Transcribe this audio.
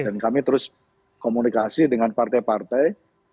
dan kami terus komunikasi dengan partai partai